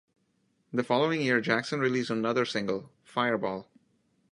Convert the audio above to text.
The following year, Jackson released another single, "Fireball".